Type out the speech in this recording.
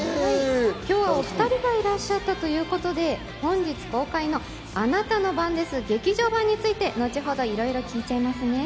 今日はお２人がいらっしゃったということで、本日公開の『あなたの番です劇場版』について後ほどいろいろ聞いちゃいますね。